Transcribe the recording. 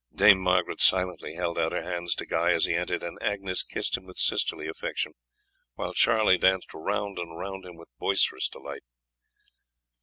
Dame Margaret silently held out her hands to Guy as he entered, and Agnes kissed him with sisterly affection, while Charlie danced round and round him with boisterous delight.